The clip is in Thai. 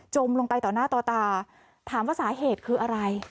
ลงไปต่อหน้าต่อตาถามว่าสาเหตุคืออะไร